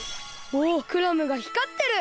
おっクラムがひかってる！